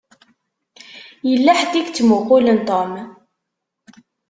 Yella ḥedd i yettmuqqulen Tom.